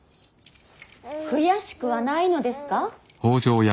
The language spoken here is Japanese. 悔しくはないのですか。